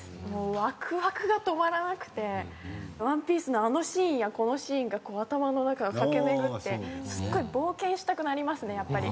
ワクワクが止まらなくて『ＯＮＥＰＩＥＣＥ』のあのシーンやこのシーンが頭の中を駆け巡ってすっごい冒険したくなりますねやっぱり。